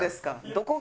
どこが？